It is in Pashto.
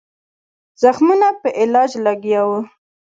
زخمونو په علاج لګیا وو.